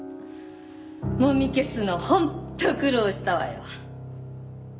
もみ消すの本当苦労したわよ。